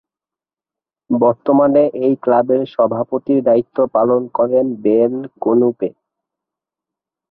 বর্তমানে এই ক্লাবের সভাপতির দায়িত্ব পালন করছেন বেন কনুপে।